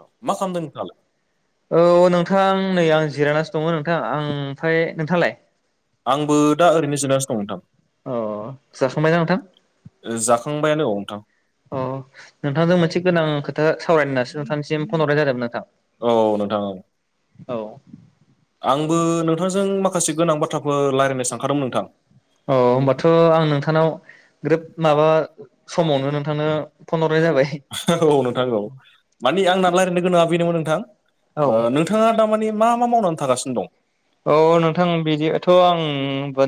औ मा खालामदों नोंथाङालाय? औ नोंथां आं नै आं जिरायानास दङ नोंथां आं मफ्राय नोंथालाय आंबो दा ओरैनो जिरायनासो दं नोंथां अ जाखांबाय नोंथां ओ जाखांबायानो औ नोंथां नोंथांजों अ मोनसे गोनां खोथा सावरायनो नासो नोंथां। देन फन हरनाय जादोंमोन औ नोंथां औ आंबो नोंथांजों माखासे गोनां नोंथां बाथ्राफोर रायज्लायनो सानखादोंमोन नोंथां औ औ होनबाथ' आं नोंथांनाव ग्रोब माबा समावनो नोंथांनो फन हरनाय जाबाय। औ नोंथां औ औ मानि आंना रायज्लायनो गोनाङा बेनोमोन नोंथां ओ नोंथाङा दामानि मा मा मावनानै थागासिनो दं? औ नोंथां बिदिथ' आं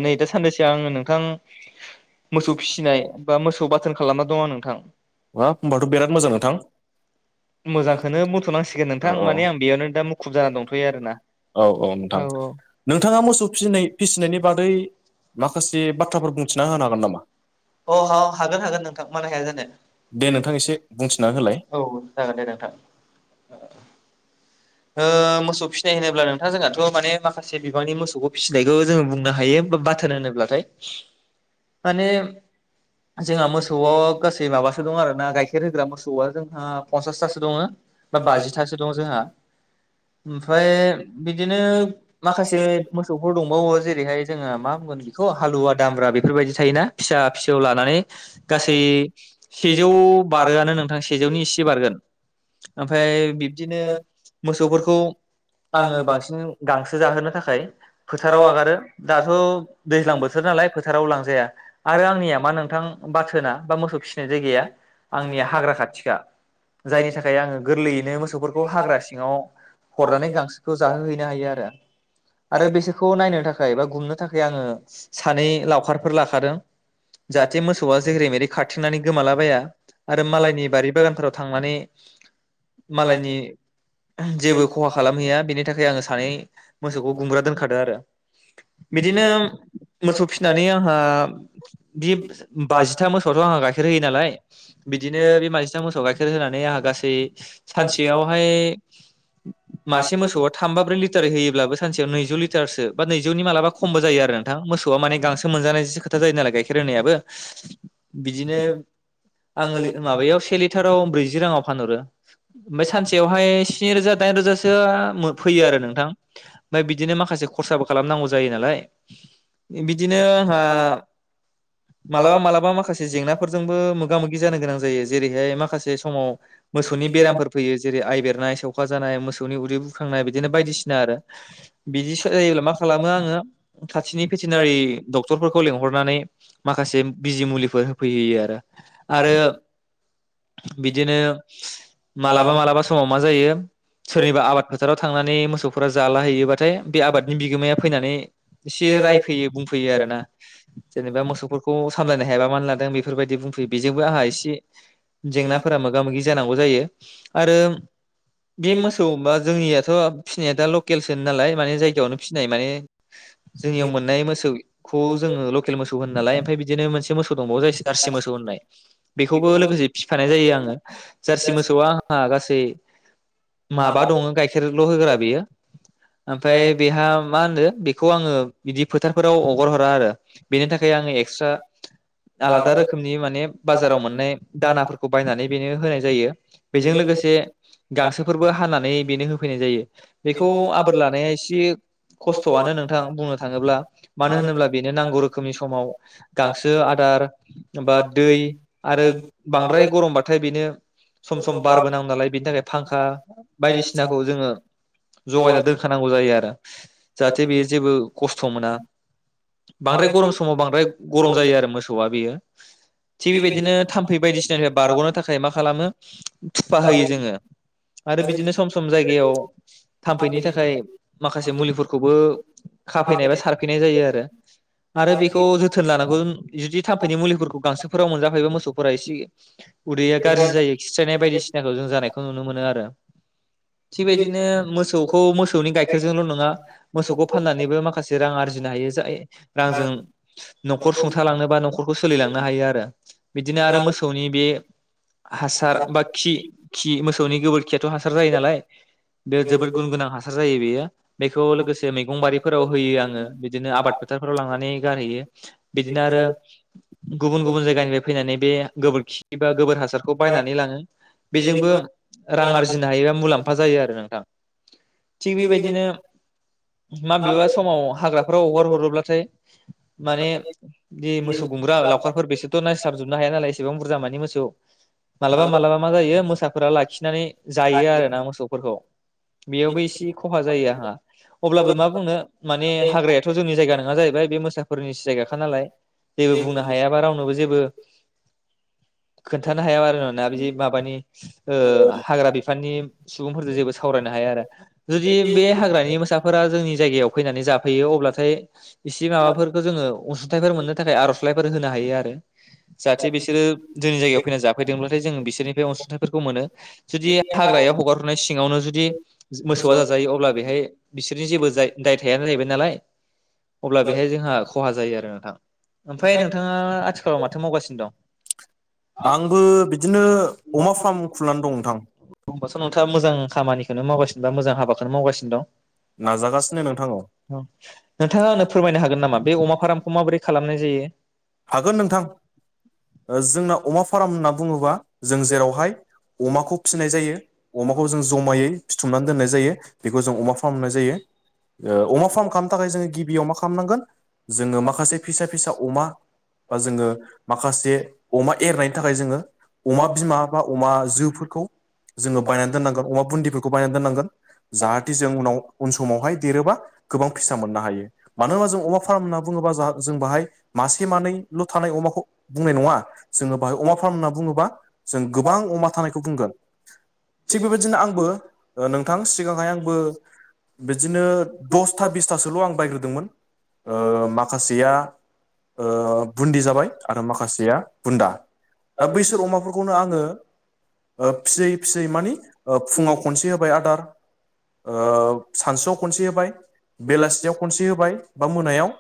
नै दा सानैसो आङो नोंथां मोसौ फिसिनाय बा मोसौ बाथोन खालामना दङ आं नोंथां हा होनोमबाथ' बिराद मोजां नोंथां मोजांखौनो मथ'नांसिगोन औ नोंथां औ माने आं बेयावनो दा मुखुब जाना दंथ'यो आरोना औ औ नोंथां नोंथाङा मोसौ फिनाय फिसिनायनि बादै माखासे बाथ्राफोर बुंथिना होनो हागोन नामा? औाङ अ हागोन हागोन नोंथां मानो हाया जानो। दे नोंथां एसे बुंथिना होलाय औ जागोन दे नोंथां अ मोसौ फिथ होनोब्ला नोंथां जोंहाथ' माने माखासे बिबांनि मोसौखौ फिसिनायखौ जोङो बुंनो हायो बा बाथोन होनोब्लाथाय माने जोंहा मोसौआव गासै माबासो दं आरो ना गाइखेर खेर होग्रा मोसौआ जोंहा पन्सासथासो दङो बा बाजिथासो दं जोंहा ओमफ्राय बिदिनो माखासे मोसौ बो दंबावो जेरैहाय जोङो मा बुंगोन बेखौ हालुवा दामब्रा बेफोरबायदि थायोना फिसा फिसौ लानानै। गासै सेजौ बारोआनो नोंथांसि सेजौनि इसे खिथि बारगोन ओमफ्राय बिब्दिनो मोसौफोरखौ आङो बांसिन गांसो जाहोनो थाखाय फोथाराव आगारो दाथ' दैज्लां बोथोर नालाय फोथाराव लांजाया आरो आंनिया मा नोंथां बाथोना बा मोसौ फिसिनाय जायगाया आंनिया हाग्रा खाथिखा। जायनि थाखाय आङो गोरलैयैनो मोसौफोरखौ हाग्रा सिङाव हरनानै गांसोखौ जाहोहैनो हायो आरो आरो बिसोरखौ नायनो थाखाय बा गुमनो थाखाय आङो सानै लावखारफोर लाखादों। जाहाथे मोसौआ जेरे मेरै खाथिंनानै गोमालाबाया आरो मालायनि बारि बागानफोराव थांनानै मालायनि जेबो खहा खालामहैया बेनि थाखाय आङो सानै मोसौखौ गुमबग्रा दोनखादो आरो बिदिनो मोसौ फिसिनानै आंहा बे बाजिथा मोसौथ' आंहा गाइखेर होयो नालाय बिदिनो बे बाजिथा मोसौआव गाइखेर होनानै आंहा गासै सानसेयावहाय मासे मोसौआ थाम बा ब्रै लिटारै होयोब्लाबो सानसेयाव नैजौ लि तार सो बा नैजौनि मालाबासो खमबो जायो नोंथां मोसौआ माने गांसो मोनजानायसो जायो नालाय गाइखेर होनायाबो। बिदिनो आङो माबायाव से लिथार ब्रैजि रांआव फानहरो ओमफ्राय सानसेयावहाय स्नि रोजा दाइन रोजासो फैयो आरो नोंथां ओमफ्राय बिदिनो माखासे खरसाबो खालामनांगौ जायो नालाय। बिदिनो आंहा मालाबा मालाबा माखासे जेंनाफोरजोंबो मोगा मोगि जानो गोनां जायो जेरै [unintelligible] माखासे समाव मोसौनि बेरामफोर फैयो जेरै आइबेर देरनाय सौखा जानाय मोसौनि उदै फोखांनाय बिदिनो बायदिसिना आरो बिदि जायोब्ला मा खालामो आङो खाथिनि भेटेनारि डक्टरफोरखौ लेंंहरनानै माखासिम। बिजि मुलिफोर होफैहैयो आरो आरो बिदिनो मालाबा मालाबा समाव मा जायो सोरनिबा आबाद फोथाराव थांनानै मोसौफोरा जाला हैैयोबाथाय बे आबादनि बिगोमाया फैनानै एसे रायफैयो बुंफैयो आरो ना जेनेबा मोसौफोरखौ सामलायनो हायाबा मा लादों बेफोरबायदि बुंफैयो बेजोंबो आंहा इसे जेंनाफोरा मोगा मोगि जानांगौ जायो आरो बे मोसौ बा जोंनियाथ फिसिनाया दा लकेलसोन नालाय माने जायगायावनो फिसिनाय माने [unintelligible] जोंनियाव मोननाय मोसौखौ जोंङो लकेल मोसौ होनो नालाय ओमफाय बिदिनो मोनसे मोसौ दंबावो जारसि मोसौ होनाय बेखौबो लोगोसे फिफानाय जायो आंङो जारसि मोसौआ आंहा गासै माबा दङ गाइखेरल होग्रा बेयो ओमफाय बेहा मा होनो बेखौ आंङो बिदि फोथारफोराव अगार हरा आरो बेनि थाखाय आंङो एक्सट्रा आलादा रोखोमनि माने बाजाराव मोननाय दानाफोरखौ बायनानै बेनो होनाय जायो। बेजों लोगोसे गांसोफोरबो हानानै बेनो होफैनाय जायो। बेखौ आबोर लानाया एसे खस्थआनो नोंथां बुंनो थाङोब्ला मानो होनोब्ला बेनो नांगौ रोखोमनि समाव गांसो आदार बा दै आरो बांद्राय गरमबाथाय बेनो [inaudible] सम सम बारबोनांगौ नालाय बिनि थाखाय फांखा बायदिसिनाखौ जोंङो जगायना दोनखानांगौ जायो आरो जाहाथे बेयो जेबो खस्थ मोना बांद्राय गरम समाव बांद्राय गरम जायो आरो मोसौआ बेयो थिग बेबायदिनो थाम बायदिसिनानिफ्राय बारगनो थाखाय मा खालामो खामो। थुफा होयो जोंङो आरो बिदिनो सम सम जायगायाव थाम्फैनि थाखाय माखासे मुलिफोरखौबो खाफैनाय एबा सारफैनाय जायो आरो आरो बेखौ जोथोन लानांगौ जुदि थाम्फैनि मुलिफोरखौ गांसोफोराव मोनजाफैबा मोसौ एसे उदैया गाज्रि जायो खिस्रायनाय बायदिसिनाखौ जों जानायखौ नुनो मोनो आरो थिगबायदिनो मोसौखौ मोसौनि गाइखेरजोंल नङा मोसौखौ फाननानैबो माखासे रां आरजिनो हायो जाय रांजों नखर सुंथाालांनोबा नखरखौ सोलिलांनो हायो आरो बिदिनो आरो मोसौनि बे हासार बा खि खि मोसौनि गोबोरखियाथ हासार जायो नालाय बे जोबोद गुन गोनां हासार जायो बेयो बेखौ लोगोसे मैगं बारिफोराव होयो आंङो बिदिनो आबाद फोथारफोराव लांनानै गारहैयो बिदिनो आरो गुबुन गुबुन जायगानिफ्राय फैनानै बे गोबोरखि बा गोबोर हासारखौ बायनानै लाङो बेजोंबो रां आरजिनो हायोबा मुलाम फा जायो आरो नोंथां। थिग बेबायदिनो माबेबा समाव हाग्राफोराव हगार हरोब्लाथाय माने जि मोसौ गुमब्रा लावखारफोर बेसोरथ नाय थाबजोबनो हाया नालाय एसेबां बुरजा माने मो [unintelligible] मालाबा मालाबा मा जायो मोसाफोरा लाखिनानै जायो आरोना मोसौफोरखौ बेयावबो इसे खहा जायो आहा अब्लाबो मा बुंनो माने हाग्रायाथ' जोंनि जायगा नोङा जाहैबाय बे मोसाफोरनिसो जायगाखा नालाय जेबो बुंनो हायाबा रावनोबो जेबो खोन्थानो हाया आरो ना बिदि माबानि ओ हाग्रा बिफाननि सुबुंफोरजो जेबो सावरायनो हाया आरो जुदि बे हाग्रानि मोसाफोरा जोंनि जायगायाव फैनानै जाफैयो अब्लाथाय इसे माबाफोरखो जोङो असुंथाइफोर मोननो थाखाय आर'जलाइफोर होनो हायो आरो। [inaudible] जाहाथे बिसोरो जोंनि जायगायाव फैना जाफैदोंब्ला थाय जों बिसोरनिफ्राय अनसुंथाइफोरखौ मोनो। जुदि हाग्रायाव हगार हरनाय सिङावनो जुदि मोसौआ जाजायो अब्ला बेहाय बिसोरनि जेबो जाय दाय थायानो जाहैबाय नालाय अब्ला बेहाय जोंहा खहा जायो आरो नोंथां ओमफ्राय नोंथाङा आथि खालाव माथो मावगासिनो दं? आंबो बिदिनो अमा फार्म खुलिनानै दं नोंथां। ओमबास' नोंथाङा मोजां खामानिखोनो मावगासिनो बा मोजां हाबाखोनो मावगासिनो दं। नाजागासिनो नोंथां औ नोंथाङा आंनो फोरमायनो हागोन नामा बे अमा फाराम खौ माबोरै खालामनाय जायो? [inaudible] ओ जोंनाव अमा फार्म होन्ना बुङोबा जों जेरावहाय अमाखौ फिसिनाय जायो अमाखौ जों जमायै फिथुमनानै दोननाय जायो। बेखौ जों अमा फार्म होननाय जायो। ओ अमा फार्म खामनो थाखाय जोङो गिबियाव मा खामनांगोन जोङो माखासे फिसा फिसा अमा बा जोङो माखासे अमा एरनायनि थाखाय जोङो अमा बिमा बा अमा जोफोरखौ जोङो बायनानै दोननांगोन अमा बुन्दिफोरखौ बायनानै दोननांगोन जाहाथे जों उनाव उन समावहाय गोबां फिसा मोननो हायो मानो होबा जों अमा फार्म होनना बुङोबा जाहा जों बाहाय मास ए मानैल' थानाय अमाखौ बुंनाय नङा जोङो बाहाय अमा फार्म होनना बुङोबा जों गोबां अमा थानायखौ बुंगोन। थिग बेबायदिनो आंबो नोंथां सिगांहाय आंबो बिदिनो दसथा बिसथासोल' आं बायग्रोदोंमोन ओ माखासेया ओ बुन्दि जाबाय आरो माखासेया बुन्दा दा बैसोर अमाफोरखौनो आङो ओ फिसियै फिसियै मानि ओ फुङाव खनसे होबाय आदार ओ सानसुआव खनसे होबाय बेलासियाव खनसे होबाय बा मोनायाव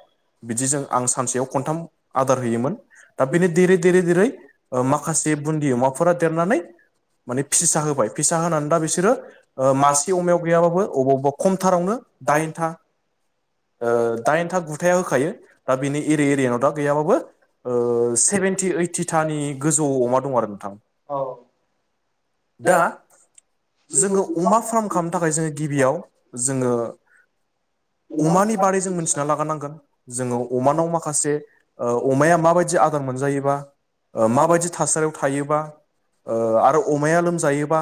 बिदि जों आं सानसेयाव खनथाम आदार होयोमोन दा बेनो देरै देरै देरै ओ माखासे बुन्दि अमाफोरा देरनानै माने फिसा होबाय फिसा होनानै दा बेसोरो ओ मासे अमायाव गैयाबाबो अबावबा खम थारावनो दाइन था ओ दाइन था गुथाया होखायो दा बेनि एरि एरियाव दा गैयाबाबो ओ सेभेनटि ओइटिथानि गोजौआव अमा दं आरो नोंथां। दा जोङो अमा फार्म खालामनो थाखाय जोङो गिबियाव जोङो अमानि बारै जों मिथिना लागोरनांगोन जोङो अमानाव मा माखासे ओ अमाया माबायदि आदार मोनजायोबा ओ माबायदि थासारियाव थायोबा ओ आरो अमाया लोमजायोबा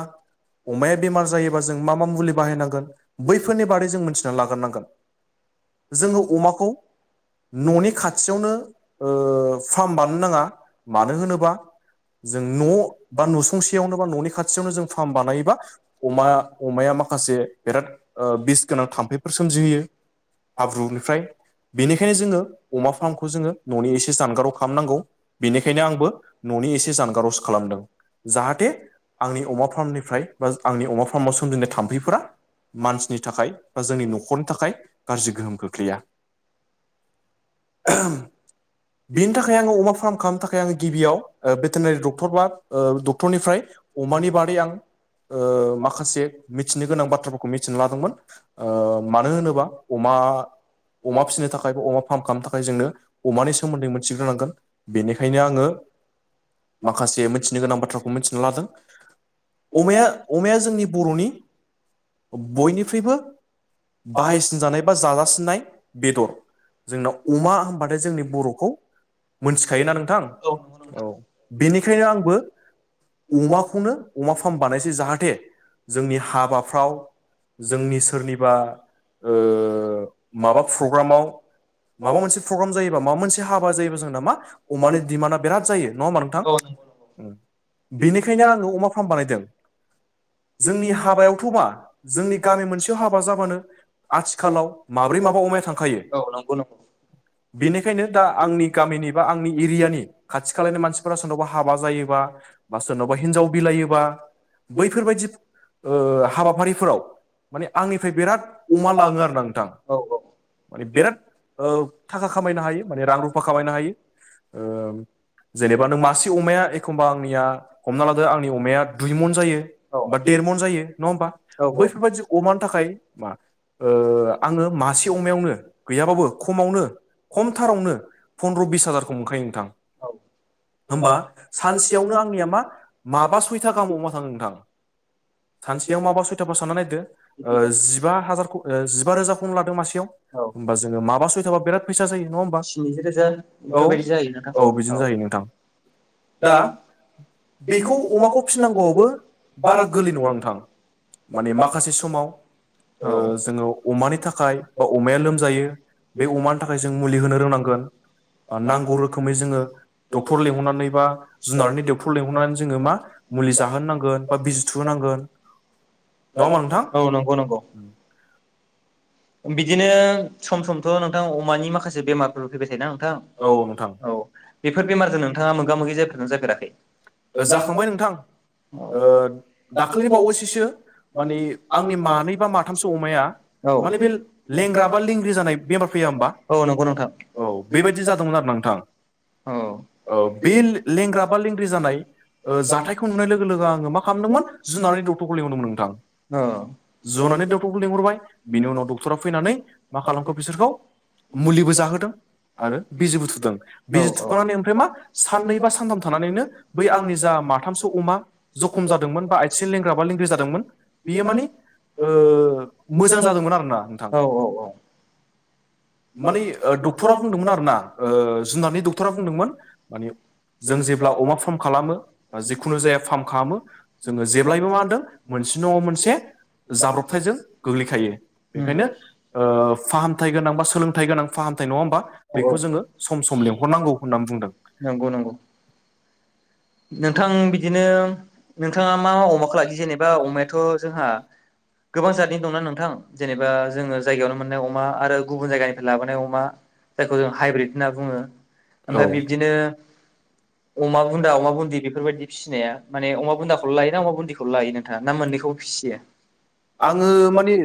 अमाया बेमार जायोबा जों मा मा मुलि बाहायनांगोन बैफोरनि बारै जों मिथिना लागोरनांगोन। जोङो अमाखौ न'नि खा खाथियावनो ओ फार्म बानायनो नाङा मानो होनोबा जों न' बा न'संसेयावनो बा न'नि खाथियावनो जों फार्म बानायोबा अमाया अमाया माखासे ओ बिराद बिस गोनां थाम्फैफोर सोमजिहोयो। हाब्रुनिफ्राय बेनिखायनो जोङो अमा फार्मखौ जोङो न'नि एसे जानगाराव खालामनांगौ बेनिखायनो आंबो न'नि एसे जानगारावसो खालामदों जाहाथे आंनि अमा फार्मनिफ्राय बा आंनि अमा फार्माव सोमजिनाय थाम्फैफोरा मानसिनि थाखाय बा जोंनि न'खरनि थाखाय गाज्रि गोहोम खोख्लैया। [inaudible] बेनि थाखाय आङो अमा फार्म खालामनो थाखाय आङो गिबियाव ओ भेटेनारि डक्टर बा ओ डक्टरनिफ्राय अमानि बारै आं ओ माखासे मिथिनो गोनां बाथ्राफोरखौ मिथिना लादोंमोन ओ मानो होनोबा अमा अमा फिसिनो थाखायबो अमा फार्म खालामनो थाखाय जोंनो अमानि सोमोन्दै मो थिग्रोनांगोन बेनिखायनो आङो माखासे मिथिनो गोनां बाथ्राखौ मिथिना लादों। अमाया अमाया जोंनि बर'नि बयनिफ्रायबो बाहायसिनजानाय बा जाजासिननाय बेदर। जोंनाव अमा होनबाथाय जोंनि बर'खौ मोनथिखायोना नोंथां औ बेनिखायनो आंबो अमाखौनो अमा फार्म बानायसै जाहाथे जोंनि हाबाफ्राव जोंनि सोरनिबा ओ माबा प्रग्रामाव माबा मोनसे प्रग्राम जायोबा माबा मोनसे हाबा जायोबा जोंना मा अमानि दिमान्डआ बिराद जायो नङा होमबा नोंथां औ उम। बेनिखायनो आंङो अमा फार्म बानायदों। जोंनि हाबायावथ'बा जोंनि गामि मोनसेयाव हाबा जाबानो आथिखालाव माब्रै माबा अमाया थांखायो बेनिखायनो दा आंनि गामिनि बा आंनि एरियानि खाथि खालानि मानसिफोरा सोरनावबा हाबा जायोबा बा सोरनावबा हिनजाव बिलायोबा बैफोरबायदि ओ हाबाफारिफोराव माने आंनिफ्राय बिराद अमा लाङो आरो ना नोंथां औ औ माने बिराद थाखा खामायनो हायो माने रां रुफा खामायनो हायोओ जेनेबा नों मासे अमाया एखमबा आंनिया औ हमना लादो आंनि अमाया दुइमन जायो बा देरमन जायो नङा होमबा बैफोरबायाददि औ औ अमानि थाखाय मा आङो मासे अमायावनो गैयाबाबो खमावनो खमथारावनो फन्द्र' बिस हाजारखौ मोनखायो नोंथां होमबा सानसेयावनो आंनिया मा माबा सयथा गाहाम अमा थाङो नोंथां सानसेयाव माबा सयथाखौ सानना नायदो जिबा हाजारखौ जिबा रोजाखौनो लादों मासेयाव औ होमबा जोङो मा औ बेराद फैसा जायो नङा होमबा स्निजि रोजा औ औ बिदिनो‌ जायो नोंथां दा बेखौ माखौ सिबिनांगौ आवबो दा गोरलै नङा नोंथां माने माखासे समाव ओ औ जोङो अमानि थाखाय बा अमाया लोमजायो बे अमानि थाखाय जों मुलि होनो रोंनांगोन नांगौ रोखोमै जोङो रोखोमनि डक्टर लिंहरनानै लेंहरनानै बा जुनारनि डक्टर लिंहरनानै जोङो मा मुलि जाहोनो नांगोन बा बिजि थुहोनांगोन नङा होमबा नोंथां औ नंगौ नंगौ बिदिनो सम समथ' नोंथां अमानि माखासे बेमारफोर फैबाय थायोना औ औ बेफोर बेमारजों नोंथाङा मोगा मोगि जाफेरदों ना जाफेराखै जाखांबाय नोंथां दाखालि बावैसोसो माने आंनि मानै बा माथामसो अमाया माने बे लेंग्रा बा लेंग्रि जानाय बेमार फैया होमबा जनानै औ बेबायदि जादोंमोन आरो नोंथां औ बे लेंग्रा बा लेंग्रि जानाय जाथायखौ नुनाय लोगो लोगो आङो मा खालामदोंमोन जुनानै डक्टरखौ लिंहरदोंमोन नोंथां जुनादनि डक्टरखौ लिंहरबाय बिनि उनाव डक्टर फैनानै मा खालामखो बिसोरखौ मुलिबो जाहोदों आरो बिजिबो थुदों बिजि थुखांनानै ओमफ्राय मा साननै बा सानथाम थानानैनो बै आंनि जा माथामसो अमा जखम जादोंमोन बा आथिं लेंग्रा बा लेंग्रि जादोंमोन बेयो मानि ओ मोजां जादोंमोन आरो ना औ औ औ माने डक्टरा बुंमोनोन आरो ना जुनारनि डक्टरा बुंदोंमोन मने जों जेब्ला अमा खालामो बा जिखुनु जाया फार्म खालामो जोङो जेब्लायबो मा होनदों मोनसे नङा मोनसे जाब्रबथायजों गोग्लैखायो बेखायनो ओ फाहामथायाइ गोनां बा सोलोंथाइ गोनां फाहामथाय नङा होमबा बेखौ जोङो सम सम लेंहरनांगौ होननानै बुंदों नंगौ नंगौ नोंथां बिदिनो नोंथाङा मा मा अमाखौ लाखि जेनेबा अमायाथ' जोंहा गोबां जतनि दंना नोंथां जेनेबा जोङो जायगायावनो मोननाय अमा आरो गुबुन जायगानिफ्राय लाबोनाय अमा जायखौ जों हाइब्रिद होनना बुङो औ ओमफ्राय बिब्दिनो अमा बुन्दा अमा बुन्दि बेफोरबायदि फिसिनाया माने अमा बुन्दाखौल लायो ना अमा बुन्दिखौ लायो नोंथाङा ना मोननैखौबो फिसियो आङो